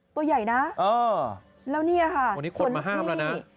ตัวใหญ่นะแล้วนี่ค่ะส่วนลูกนี่